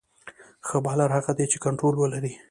ښه بالر هغه دئ، چي کنټرول ولري.